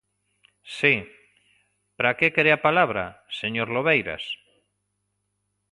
Si, ¿para que quere a palabra, señor Lobeiras?